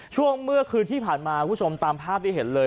ช่วงเมื่อคืนที่ผ่านมาคุณผู้ชมตามภาพที่เห็นเลย